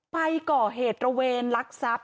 ไปก่อเหตุระเวณลักษัพ